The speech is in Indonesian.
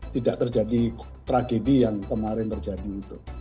tidak terjadi tragedi yang kemarin terjadi itu